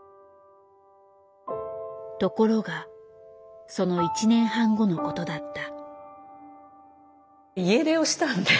ところがその１年半後のことだった。